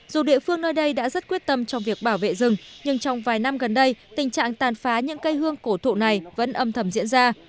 dù địa phương nơi đây đã rất quyết tâm trong việc bảo vệ rừng nhưng trong vài năm gần đây tình trạng tàn phá những cây hương cổ thụ này vẫn âm thầm diễn ra